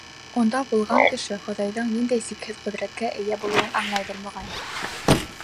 Унда булған кеше Хоҙайҙың ниндәй сикһеҙ ҡөҙрәткә эйә булыуын аңлайҙыр, моғайын.